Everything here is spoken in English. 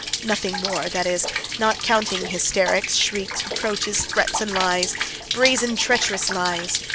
Nothing more that is, not counting hysterics, shrieks, reproaches, threats, and lies brazen, treacherous lies.